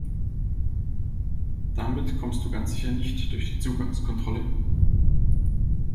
Damit kommst du ganz sicher nicht durch die Zugangskontrolle.